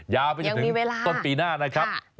ยาไปจนถึงต้นปีหน้านะครับณยังมีเวลาค่ะ